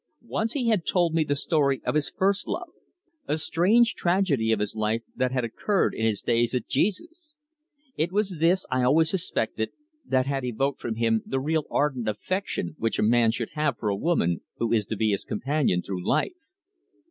Once he had told me the story of his first love, a strange tragedy of his life that had occurred in his days at Jesus. It was this, I always suspected, that had evoked from him the real ardent affection which a man should have for a woman who is to be his companion through life.